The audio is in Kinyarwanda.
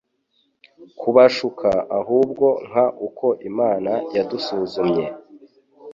kubashuka ahubwo nk uko Imana yadusuzumye